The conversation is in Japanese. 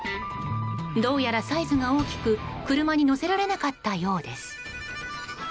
どうやら、サイズが大きく車に載せられなかったようです。